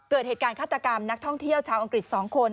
เกิดเหตุการณ์ฆาตกรรมนักท่องเที่ยวชาวอังกฤษ๒คน